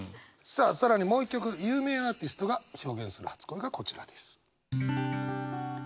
さあ更にもう一曲有名アーティストが表現する初恋がこちらです。